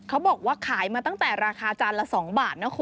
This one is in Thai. เขาบอกว่าขายมาตั้งแต่ราคาจานละ๒บาทนะคุณ